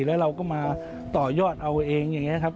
แล้วเราก็มาต่อยอดเอาเองอย่างนี้ครับ